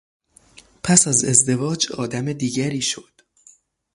پس از ازدواج آدم دیگری شد.